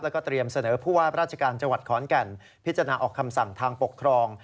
แล้วก็เตรียมเสนอผู้ว่าราชการจังหวัดขอนแก่นพิจารณาออกคำสั่งทางปกครอง